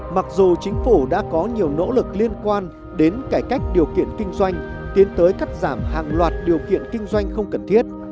mặc dù chính phủ đã có nhiều nỗ lực liên quan đến cải cách điều kiện kinh doanh tiến tới cắt giảm hàng loạt điều kiện kinh doanh không cần thiết